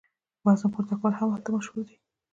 وزنه پورته کول هم هلته مشهور دي.